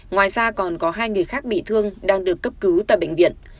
ngoài ra còn có hai người khác bị thương đang được cấp cứu tại bệnh viện